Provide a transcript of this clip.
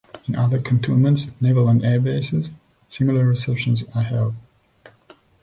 In other Cantonments, naval and air bases similar receptions are held.